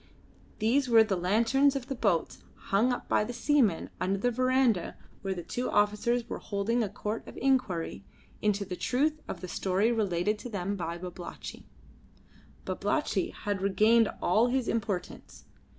These were the lanterns of the boats hung up by the seamen under the verandah where the two officers were holding a court of inquiry into the truth of the story related to them by Babalatchi. Babalatchi had regained all his importance.